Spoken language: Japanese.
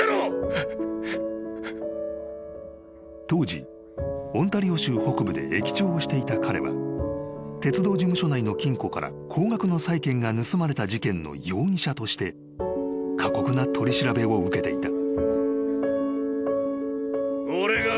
［当時オンタリオ州北部で駅長をしていた彼は鉄道事務所内の金庫から高額の債券が盗まれた事件の容疑者として過酷な取り調べを受けていた］